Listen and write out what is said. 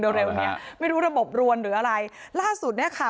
เร็วเร็วเนี้ยไม่รู้ระบบรวนหรืออะไรล่าสุดเนี้ยค่ะ